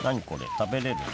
食べれるの？